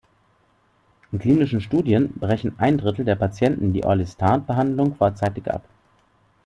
In klinischen Studien brechen ein Drittel der Patienten die Orlistat-Behandlung vorzeitig ab.